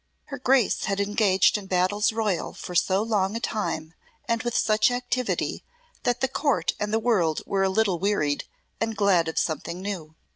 Her Grace had engaged in battles royal for so long a time and with such activity that the Court and the world were a little wearied and glad of something new.